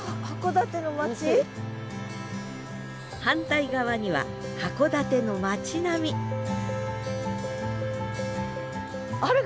反対側には函館の町並みへえ。